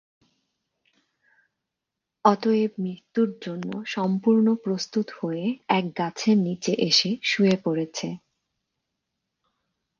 অতএব মৃত্যুর জন্য সম্পূর্ণ প্রস্তুত হয়ে এক গাছের নিচে এসে শুয়ে পড়েছে।